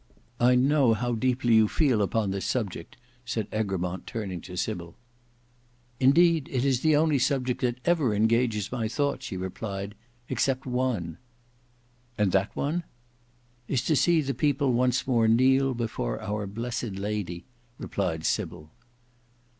"I know how deeply you feel upon this subject," said Egremont turning to Sybil. "Indeed it is the only subject that ever engages my thought," she replied, "except one." "And that one?" "Is to see the people once more kneel before our blessed Lady," replied Sybil.